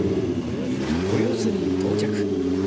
豊洲に到着